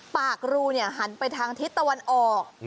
รูหันไปทางทิศตะวันออก